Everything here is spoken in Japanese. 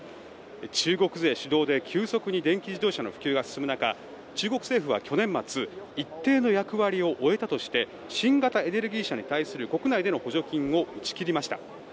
中国勢主導で急速に電気自動車の普及が進む中中国政府は去年末一定の役割を終えたとして新型エネルギー車に対する国内での補助金を打ち切りました。